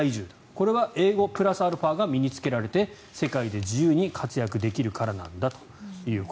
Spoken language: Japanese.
これは英語プラスアルファが身につけられて世界で自由に活躍できるからなんだと。